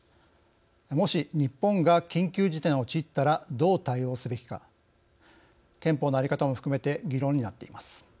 もし、日本が緊急事態に陥ったらどう対応すべきか憲法の在り方も含めて議論になっています。